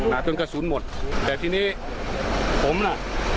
แล้วผมทีนี้ผมน่ะ